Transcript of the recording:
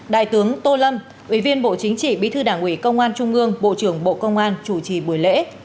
đại tướng tô lâm ủy viên bộ chính trị bí thư đảng ủy công an trung ương bộ trưởng bộ công an chủ trì buổi lễ